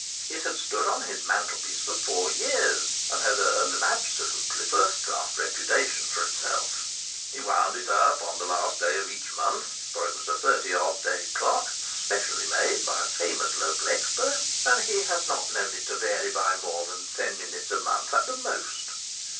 It had stood on his mantelpiece for four years and had earned an absolutely first class reputation for itself. He wound it up on the last day of every month, for it was a thirty odd day clock, specially made by a famous local expert; and he had not known it to vary more than ten minutes a month at the most.